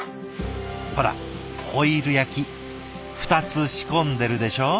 ほらホイル焼き２つ仕込んでるでしょ？